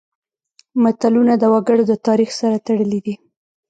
متلونه د وګړو د تاریخ سره تړلي دي